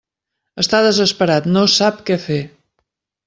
Està desesperat, no sap què fer.